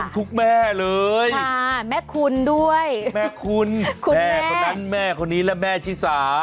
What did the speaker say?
แม่เลยแม่คุณด้วยแม่คุณแม่คนนั้นแม่คนนี้และแม่ชิสา